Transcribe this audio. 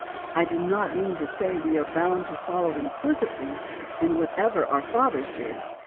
I do not mean to say we are bound to follow implicitly in whatever our fathers did.